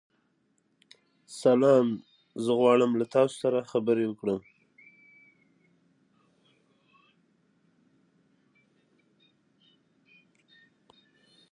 که له هڅاندو خلکو سره اوسئ لوړې موخې ټاکئ.